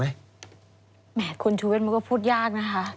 แหม่คนชู้เกินบอกว่าพจน์พุทธยากนะครับ